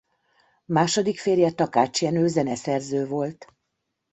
Második férje Takács Jenő zeneszerző volt.